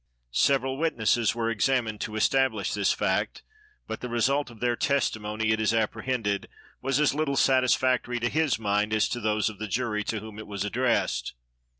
Several witnesses were examined to establish this fact; but the result of their testimony, it is apprehended, was as little satisfactory to his mind, as to those of the jury to whom it was addressed.